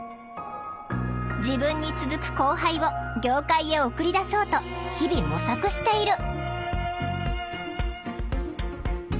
自分に続く後輩を業界へ送り出そうと日々模索している。